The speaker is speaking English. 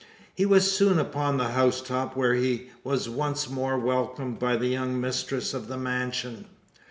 He was soon upon the housetop; where he was once more welcomed by the young mistress of the mansion.